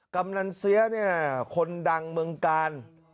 กำนันเสียเนี่ยคนดังเมืองกาล